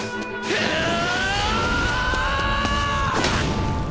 はあ！